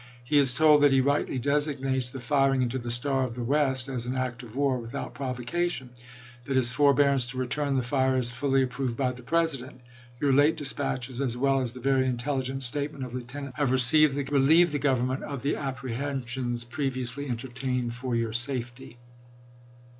He is told that he rightly designates the firing into the Star of the West as an " act of war," without prov ocation. That his " forbearance to return the fire is fully approved by the President. .. Your late dis patches, as well as the very intelligent statement of Lieutenant Talbot, have relieved the Govern THE SUMTER AND PICKENS TRUCE 159 ment of the apprehensions previously entertained chap. xi. for your safety.